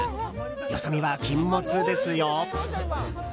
よそ見は禁物ですよ。